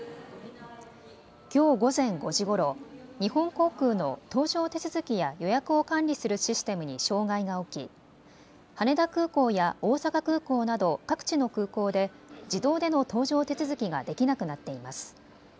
きょう午前５時ごろ、日本航空の搭乗手続きや予約を管理するシステムに障害が起き羽田空港や大阪空港など各地の空港で自動での搭乗手続きができなくなっています。